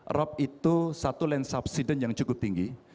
erop itu satu lens subsiden yang cukup tinggi